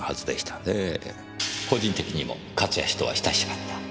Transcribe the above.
個人的にも勝谷氏とは親しかった？